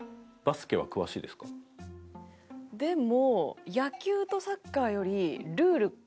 でも。